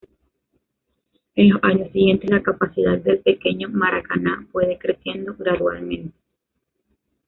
En los años siguientes la capacidad del "Pequeño Maracaná" fue decreciendo gradualmente.